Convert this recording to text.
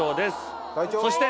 そして。